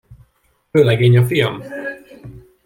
Vőlegény a fiam!